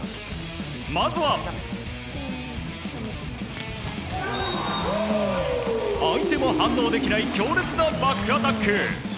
まずは、相手も反応できない強烈なバックアタック。